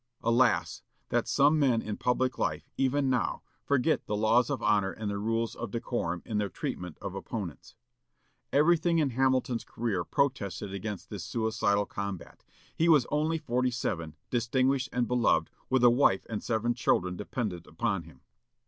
Alas! that some men in public life, even now, forget the "laws of honor and the rules of decorum" in their treatment of opponents. Everything in Hamilton's career protested against this suicidal combat. He was only forty seven, distinguished and beloved, with a wife and seven children dependent upon him.